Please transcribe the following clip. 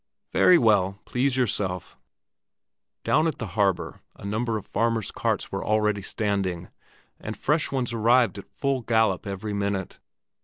"Very well, please yourself." Down at the harbor a number of farmers' carts were already standing, and fresh ones arrived at full gallop every minute.